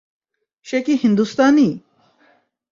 সে কি হিন্দুস্তানী?